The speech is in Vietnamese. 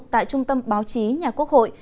tại trung tâm báo chí nhà quốc hội